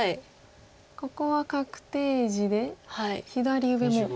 ここは確定地で左上も。